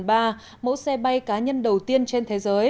mẫu xe bay cá nhân đầu tiên trên thế giới